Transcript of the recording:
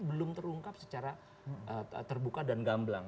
belum terungkap secara terbuka dan gamblang